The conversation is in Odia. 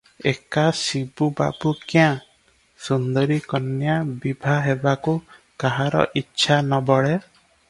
ଏକା ଶିବୁ ବାବୁ କ୍ୟାଁ, ସୁନ୍ଦରୀ କନ୍ୟା ବିଭା ହେବାକୁ କାହାର ଇଚ୍ଛା ନ ବଳେ?